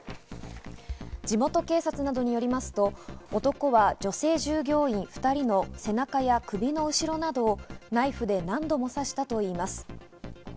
地元警察などによりますと、男は女性従業員２人の背中や首の後ろなどをナイフで何度も刺したといいます。